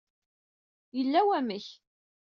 Yella wamek.